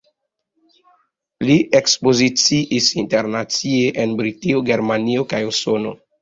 Li ekspoziciis internacie, en Britio, Germanio kaj Usono.